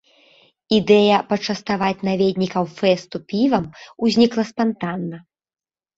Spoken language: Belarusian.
Ідэя пачаставаць наведнікаў фэсту півам узнікла спантанна.